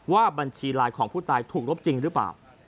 บัญชีไลน์ของผู้ตายถูกลบจริงหรือเปล่า